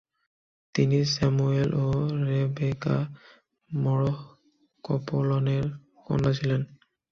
তিনি স্যামুয়েল ও রেবেকা মরহ কপোলনের কন্যা ছিলেন।